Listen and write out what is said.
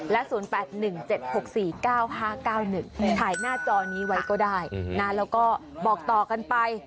และ๐๘๑๗๖๔๙๕๙๑ถ่ายหน้าจอนี้ไว้ก็ได้นะแล้วก็บอกต่อกันไป